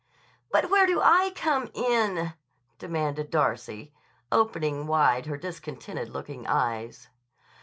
"But where do I come in?" demanded Darcy, opening wide her discontented looking eyes.